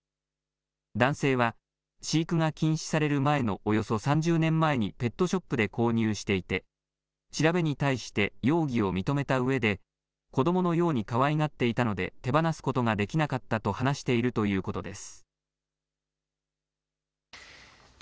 男性は飼育が禁止される前のおよそ３０年前にペットショップで購入していて調べに対して容疑を認めたうえで子どものようにかわいがっていたので手放すことができなかったと話しているということです。